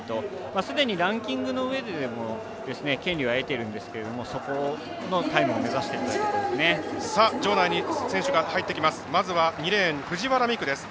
すでにランキングのうえでも権利は得ているんですけどタイムを目指しているということですね。